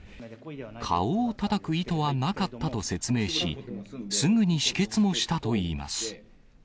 顔をたたく意図はなかったと説明し、すぐに止血もしたといいます。